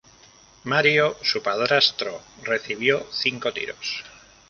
Mario, su padrastro, recibió cinco tiros.